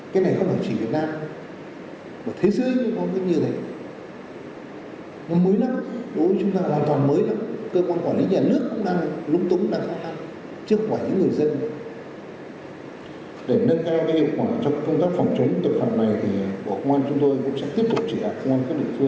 cái này không chỉ việt nam mà thế giới cũng có như thế